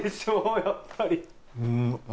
やっぱり。